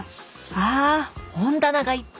あ本棚がいっぱい。